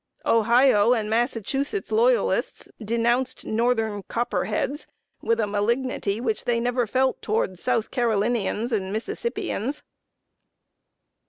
Ohio and Massachusetts Loyalists denounced northern "Copperheads" with a malignity which they never felt toward South Carolinians and Mississippians.